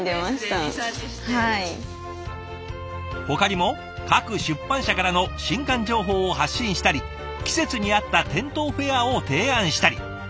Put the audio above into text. ほかにも各出版社からの新刊情報を発信したり季節に合った店頭フェアを提案したり。